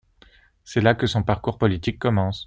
C’est là que son parcours politique commence.